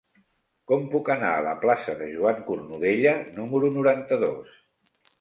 Com puc anar a la plaça de Joan Cornudella número noranta-dos?